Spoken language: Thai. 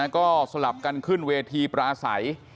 ก็สลับกันขึ้นเวทีปราศัย